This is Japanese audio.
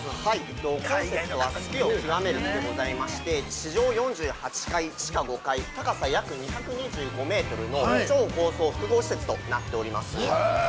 ◆コンセプトは好きを極めるでございまして地上４８階地下５階、高さ約２２５メートルの超高層複合施設となっております。